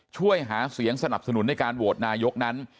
ช่วยหาเสียงสนับสนุนในการโหวตนายกนั้น